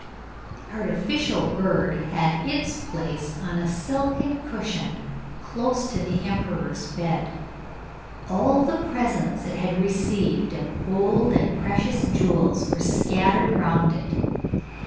The artificial bird had its place on a silken cushion, close to the emperor's bed: all the presents it had received of gold and precious jewels were scattered round it.